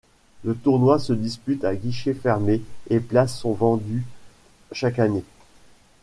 Le tournoi se dispute à guichets fermés et places sont vendues chaque année.